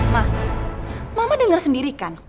ma mama denger sendiri kan